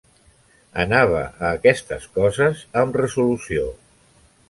Anava a aquestes coses amb resolució.